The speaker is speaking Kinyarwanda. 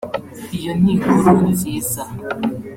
Iyo ni inkuru nziza